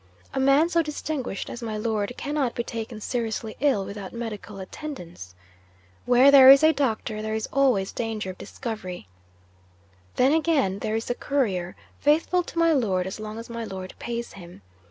A man so distinguished as my Lord cannot be taken seriously ill without medical attendance. Where there is a Doctor, there is always danger of discovery. Then, again, there is the Courier, faithful to my Lord as long as my Lord pays him.